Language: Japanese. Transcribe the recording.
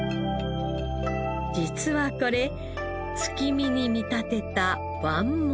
実はこれ月見に見立てた椀もの。